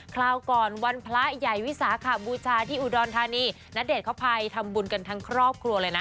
คราวก่อนวันพระใหญ่วิสาขบูชาที่อุดรธานีณเดชนเขาไปทำบุญกันทั้งครอบครัวเลยนะ